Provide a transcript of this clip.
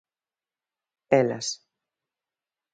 Elas.